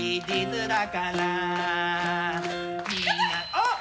あっ！